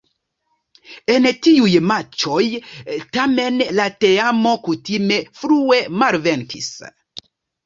En tiuj matĉoj tamen la teamo kutime frue malvenkis.